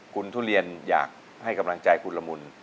คุณทุเรียนอยากให้กำลังใจคุณละมุน